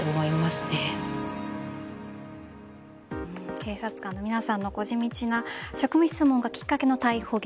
警察官の皆さんの地道な職務質問がきっかけの逮捕劇。